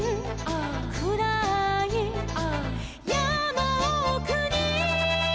「くらーい」「」「やまおくに」